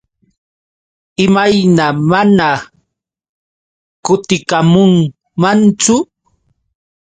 ¿Imayna mana kutikamunmanchu?